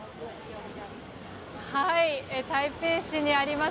台北市にあります